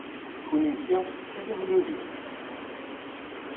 Kennemti d tibehlulin!